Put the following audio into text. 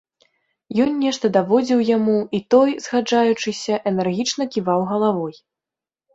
Ён нешта даводзіў яму, і той, згаджаючыся, энергічна ківаў галавой.